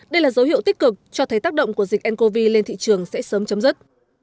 đây là dấu hiệu tích cực cho thấy tác động của dịch ncov lên thị trường sẽ sớm chấm dứt